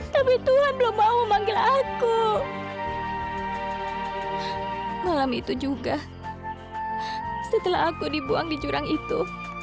tapi tuhan belum mau memanggil aku malam itu juga setelah aku dibuang di jurang itu